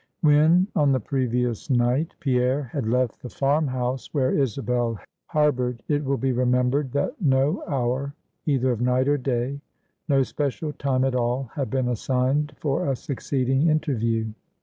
When on the previous night Pierre had left the farm house where Isabel harbored, it will be remembered that no hour, either of night or day, no special time at all had been assigned for a succeeding interview.